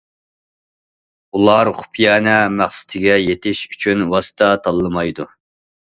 ئۇلار خۇپىيانە مەقسىتىگە يېتىش ئۈچۈن، ۋاسىتە تاللىمايدۇ.